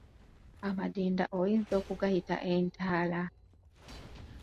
Amadinda oyinza okugayita entaala.